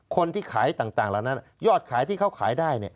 คนที่ขายต่างแล้วนั้นยอดขายที่เขาขายได้